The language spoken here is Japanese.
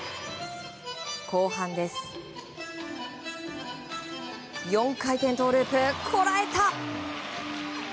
後半、４回転トウループこらえた。